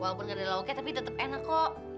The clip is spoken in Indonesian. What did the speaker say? walaupun nggak ada lauknya tapi tetap enak kok